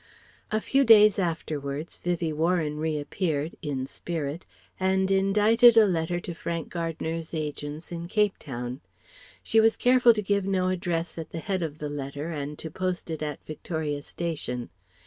A few days afterwards, Vivie Warren reappeared in spirit and indited a letter to Frank Gardner's agents in Cape Town. She was careful to give no address at the head of the letter and to post it at Victoria Station.